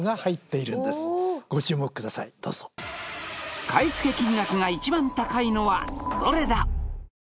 どうぞ買い付け金額が一番高いのはどれだ？